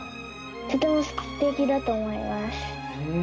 とてもすてきだと思います。